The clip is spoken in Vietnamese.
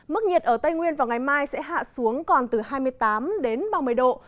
mức nhiệt ở tây nguyên vào ngày mai sẽ hạ xuống còn từ hai mươi tám đến ba mươi độ